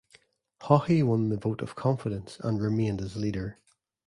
Haughey won the vote of confidence and remained as leader.